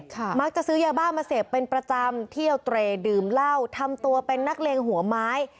มักจะซื้อยาบ้ามาเสพเป็นประจำเที่ยวเตรดื่มเหล้าทำตัวเป็นนักเลงหัวไม้